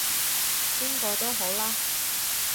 邊個都好啦